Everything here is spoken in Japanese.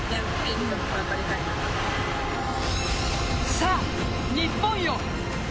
さあ、日本よ